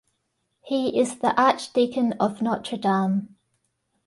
He is the Archdeacon of Notre Dame.